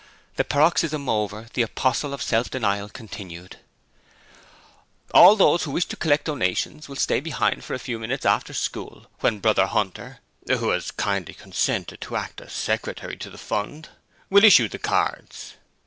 The paroxysm over, the apostle of self denial continued: 'All those who wish to collect donations will stay behind for a few minutes after school, when Brother Hunter who has kindly consented to act as secretary to the fund will issue the cards.